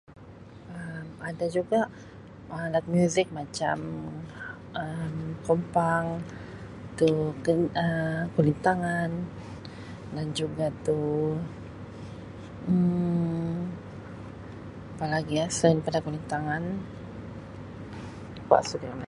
Um Ada juga alat muzik macam Um kompang, tu [unintelligible] Um kulintangan dan juga tu Um apa lagi ah selain dari kulintangan, lupa sudah [unintelligible]